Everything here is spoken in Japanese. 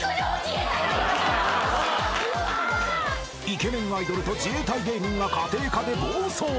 イケメンアイドルと自衛隊芸人が家庭科で暴走！